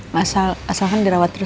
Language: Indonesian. masa itu bakal dilihatgive